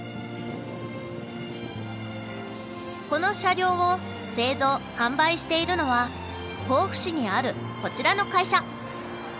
この車両を製造販売しているのは甲府市にあるこちらの会社。